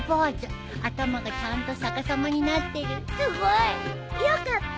すごい。よかった。